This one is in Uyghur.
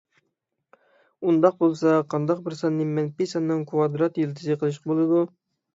ئۇنداق بولسا، قانداق بىر ساننى مەنپىي ساننىڭ كىۋادرات يىلتىزى قىلىشقا بولىدۇ؟